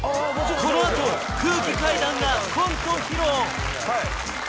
このあと空気階段がコント披露！